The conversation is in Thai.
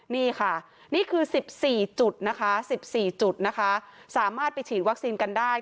นี่ค่ะนี่คือ๑๔จุดนะคะ๑๔จุดนะคะสามารถไปฉีดวัคซีนกันได้